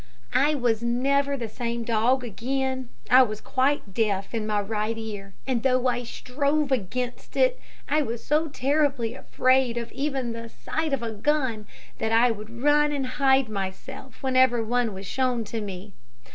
"I was never the same dog again. I was quite deaf in my right ear, and though I strove against it, I was so terribly afraid of even the sight of a gun that I would run and hide myself whenever one was shown to me.